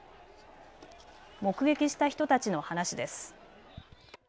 目撃した人たちの話です。